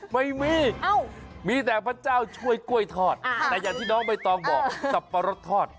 ไม่มีมีแต่พระเจ้าช่วยกล้วยทอดแต่อย่างที่น้องใบตองบอกสับปะรดทอด